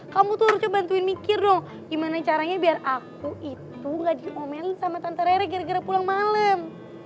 kamu tuh harus coba bantuin mikir dong gimana caranya biar aku itu gak diomeli sama tante rere gara gara pulang malem